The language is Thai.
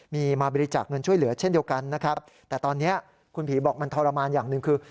มีมาบริจาคเงินช่วยเหลือเช่นเดียวกันนะครับแต่ตอนนี้คุณผีบอกมันทรมานอย่างหนึ่งคือ